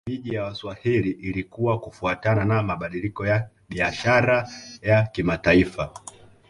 Miji ya Waswahili ilikua kufuatana na mabadiliko ya biashara ya kimataifa